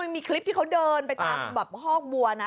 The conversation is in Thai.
มีคลิปที่เขาเดินไปตามแบบฮอกบัวนะ